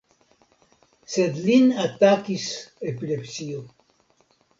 Sed lin atakis epilepsio!